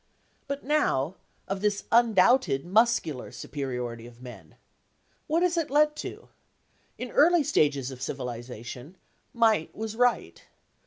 But now, of this undoubted muscular superiority of men. What has it led to? In early stages of civilisation, Might was Right.